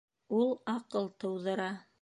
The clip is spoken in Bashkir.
Ул аҡыл тыуҙыра.